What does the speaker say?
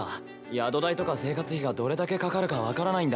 宿代とか生活費がどれだけかかるか分からないんだ。